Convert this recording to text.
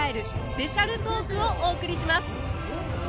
スペシャルトークをお送りします！